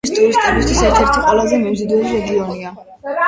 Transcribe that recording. ეს ტურისტებისთვის ერთ-ერთი ყველაზე მიმზიდველი რეგიონია.